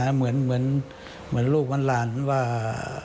เหมือนลูกวันลานว่า